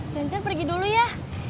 cincin pergi dulu ya